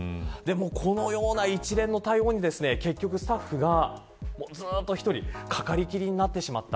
このような一連の対応に結局スタッフが、ずっと１人かかりきりになってしまった。